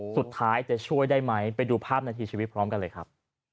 สุดท้ายจะช่วยได้ไหมไปดูภาพนาทีชีวิตพร้อมกันเลยครับ